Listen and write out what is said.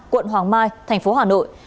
quận hoàng mai tp hà nội